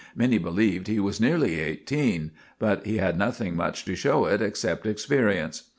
Many believed he was nearly eighteen, but he had nothing much to show it except experience.